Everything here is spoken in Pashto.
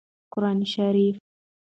قران شريف